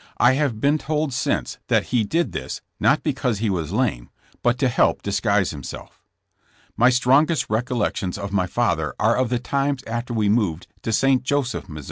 I have been told since, that he did this, not because he was lame, but to help disguise himself. My strongest Tecollections of my father are of the times after we moved to St. Joseph, Mo.